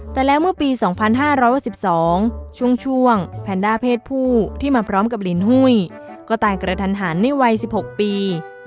แต่แล้วเมื่อปี๒๕๖๒ช่วงแพนด้าเพศผู้ที่มาพร้อมกับลินหุ้ยก็ตายกระทันหันในวัย๑๖ปี